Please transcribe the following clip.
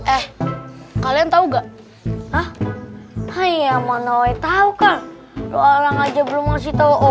eh kalian tahu enggak hah hai ya mana we tahu kan lu orang aja belum masih tahu